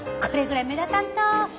これぐらい目立たんと。